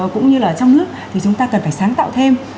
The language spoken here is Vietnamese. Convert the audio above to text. cũng như là trong nước thì chúng ta cần phải sáng tạo thêm